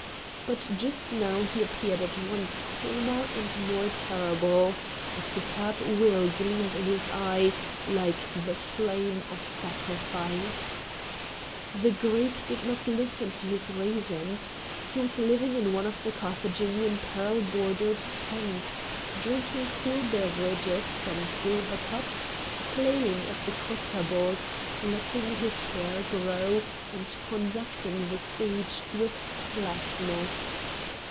But just now he appeared at once calmer and more terrible; a superb will gleamed in his eyes like the flame of sacrifice. The Greek did not listen to his reasons. He was living in one of the Carthaginian pearl bordered tents, drinking cool beverages from silver cups, playing at the cottabos, letting his hair grow, and conducting the siege with slackness.